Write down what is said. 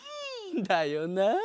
だよなあ！